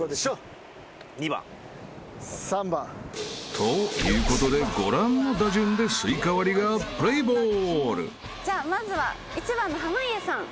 ［ということでご覧の打順でスイカ割りがプレイボール］じゃあまずは１番の濱家さん。